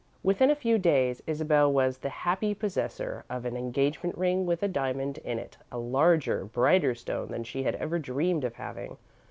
Within a few days, Isabel was the happy possessor of an engagement ring with a diamond in it a larger, brighter stone than she had ever dreamed of having.